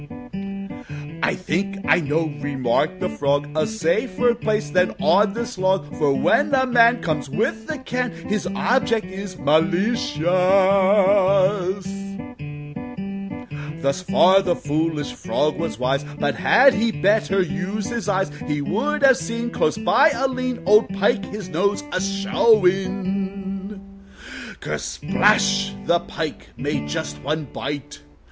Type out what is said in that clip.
'I think I know,' remarked the Frog, 'A safer place than on this log; For when a man Comes with a can His object is malicious.' Thus far the foolish Frog was wise; But had he better used his eyes, He would have seen, Close by, a lean Old Pike his nose just showing. Kersplash! The Pike made just one bite....